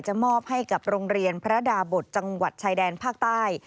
มอบให้กับโรงเรียนพระดาบทจังหวัดชายแดนภาคใต้